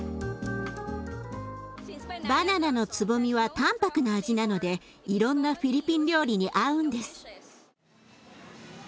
バナナのつぼみは淡泊な味なのでいろんなフィリピン料理に合うんです。